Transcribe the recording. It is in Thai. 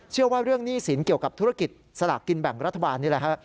เชื่อว่าเรื่องหนี้สินเกี่ยวกับธุรกิจสลากกินแบ่งรัฐบาลนี่แหละฮะ